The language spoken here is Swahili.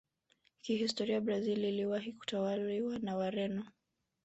kihistori brazil iliwahi kutawaliwa na Wareno